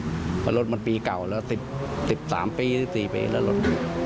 เพราะรถมันปีเก่าแล้ว๑๓ปี๑๔ปีแล้วรถ